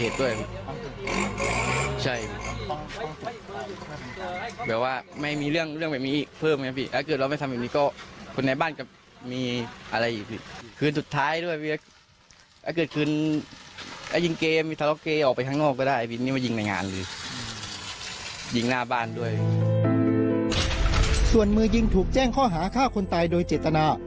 ส่วนมือยิงถูกแจ้งข้อหาฆ่าคนตายโดยเจตนา